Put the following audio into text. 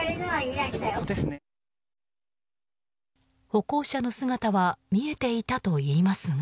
歩行者の姿は見えていたといいますが。